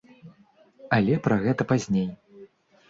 Але пра гэта пазней.